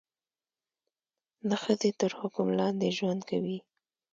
د ښځې تر حکم لاندې ژوند کوي.